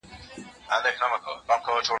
د رنځور لېوه ژړا یې اورېدله